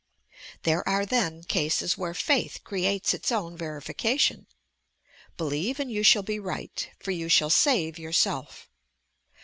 There are then cases where faith creates its own verification. 'Believe and you shall be right, for you shall save yourself.'